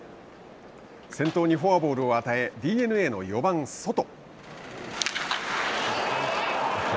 先頭にフォアボールを与えＤｅＮＡの４番ソト。